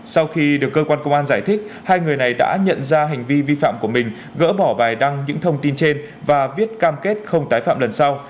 sau khi được cơ quan công an giải thích hai người này đã nhận ra hành vi vi phạm của mình gỡ bỏ bài đăng những thông tin trên và viết cam kết không tái phạm lần sau